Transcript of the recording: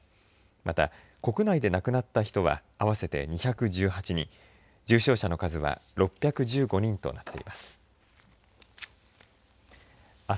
また、国内で亡くなった人は合わせて２１８人重症者の数は６１５人となっています。